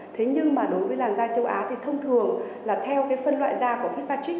thế nhưng mà đối với làn da châu á thì thông thường là theo cái phân loại da của fedpac